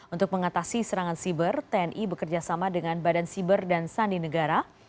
untuk mengatasi serangan siber tni bekerjasama dengan badan siber dan sandi negara